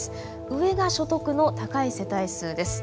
上が所得の高い世帯数です。